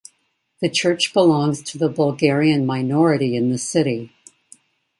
The church belongs to the Bulgarian minority in the city.